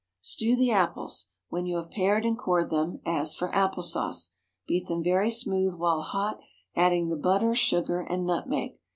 Stew the apples, when you have pared and cored them, as for apple sauce. Beat them very smooth while hot, adding the butter, sugar, and nutmeg.